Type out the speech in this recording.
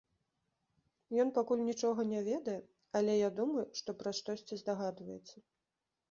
Ён пакуль нічога не ведае, але я думаю, што пра штосьці здагадваецца.